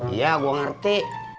iya gue ngerti